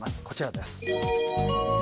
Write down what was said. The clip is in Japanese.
こちらです。